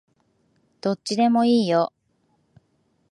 どっちでもいいよ